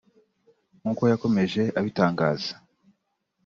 nk’uko yakomeje abitangaza